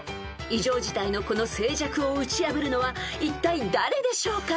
［異常事態のこの静寂を打ち破るのはいったい誰でしょうか？］